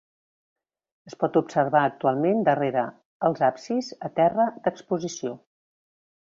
Es pot observar actualment darrere els absis, a terra, d'exposició.